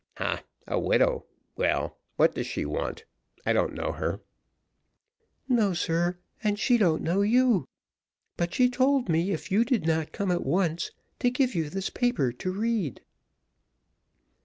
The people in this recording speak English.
"Hah! a widow; well, what does she want? I don't know her." "No, sir, and she don't know you; but she told me if you did not come at once, to give you this paper to read."